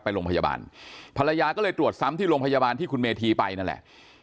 ไปโรงพยาบาลภรรยาก็เลยตรวจซ้ำที่โรงพยาบาลที่คุณเมธีไปนั่นแหละ